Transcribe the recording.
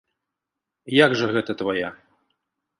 Як жа гэта твая?